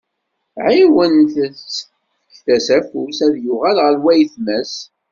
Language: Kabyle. Ɛiwent-t, fket-as afus, ad yuɣal ɣer wayetma-s.